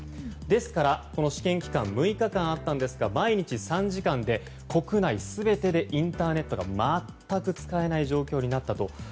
ですから、試験期間６日間あったんですが毎日３時間で国内全てでインターネットが全く使えない状況になったと。